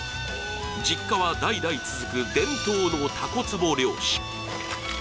実家は代々続く伝統のたこつぼ漁師。